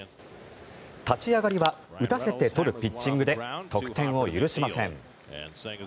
立ち上がりは打たせて取るピッチングで得点を許しません。